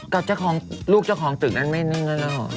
ก็ลูกเจ้าของตึกนั้นไม่นึงนั่นหรอ